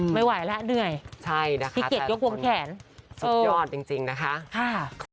ไม่ไหวแล้วเหนื่อยใช่นะคะขี้เกียจยกวงแขนสุดยอดจริงนะคะ